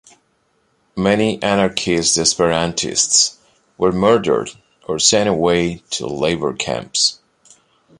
Many anarchist Esperantists were murdered or sent away to labor camps.